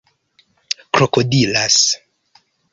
krokodilas